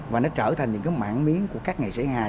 và nó trở thành những cái mảng miếng của các nghệ sĩ nga